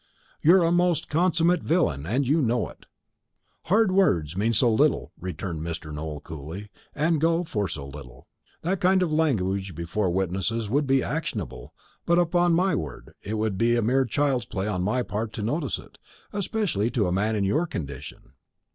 "You are a most consummate villain, and you know it!" "Hard words mean so little," returned Mr. Nowell coolly, "and go for so little. That kind of language before witnesses would be actionable; but, upon my word, it would be mere child's play on my part to notice it, especially to a man in your condition.